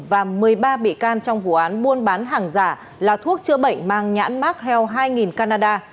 và một mươi ba bị can trong vụ án muôn bán hàng giả là thuốc chữa bệnh mang nhãn mark hell hai nghìn canada